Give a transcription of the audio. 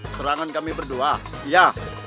serangan kami berdua ya